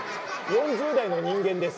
４０代の人間です。